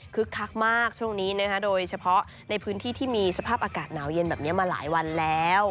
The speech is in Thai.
คักมากช่วงนี้นะคะโดยเฉพาะในพื้นที่ที่มีสภาพอากาศหนาวเย็นแบบนี้มาหลายวันแล้ว